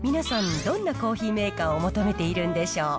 皆さん、どんなコーヒーメーカーを求めているんでしょう。